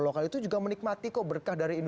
kita akan lanjutkan diskusi yang menarik ini